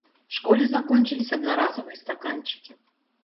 В школе закончились одноразовые стаканчики.